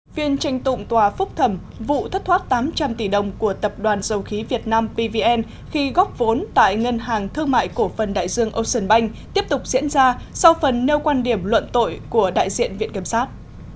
phiên tranh tụng tòa phúc thẩm vụ thất thoát tám trăm linh tỷ đồng của tập đoàn dầu khí việt nam pvn khi góp vốn tại ngân hàng thương mại cổ phần đại dương ocean bank tiếp tục diễn ra sau phần nêu quan điểm luận tội của đại diện viện kiểm sát